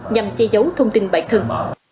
nhằm che giấu thông tin bản thân